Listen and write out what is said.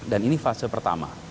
dan ini fase pertama